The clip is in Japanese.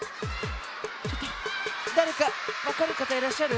ちょっとだれかわかるかたいらっしゃる？